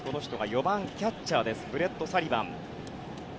４番キャッチャーブレット・サリバン。